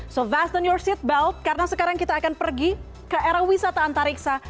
so vast on your seatbelt karena sekarang kita akan pergi ke era wisata antariksa